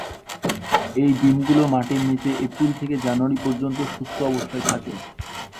এই ডিমগুলো মাটির নিচে এপ্রিল থেকে জানুয়ারি পর্যন্ত সুপ্ত অবস্থায় থাকে।